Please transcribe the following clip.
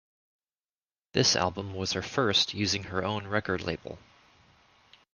This album was her first using her own record label.